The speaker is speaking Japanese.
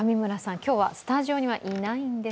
今日はスタジオにはいないんです。